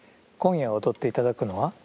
今夜踊っていただくのは？